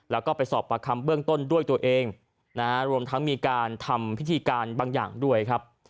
แล้วก็ไปสอบประคำเบื้องต้นด้วยตัวเองนะฮะรวมทั้งมีการทำพิธีการบางอย่างด้วยครับ